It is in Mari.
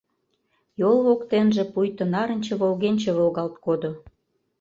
Йол воктенже пуйто нарынче волгенче волгалт кодо.